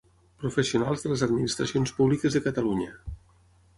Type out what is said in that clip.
Professionals de les administracions públiques de Catalunya.